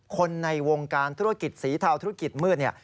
คนในวงการธุรกิจสีเทาธุรกิจมืดเนี่ย